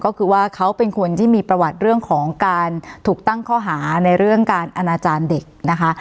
ก็คือว่าเขาเป็นคนที่มีประวัติเรื่องของการถูกตั้งข้อหาในเรื่องการอนาจารย์เด็กนะคะ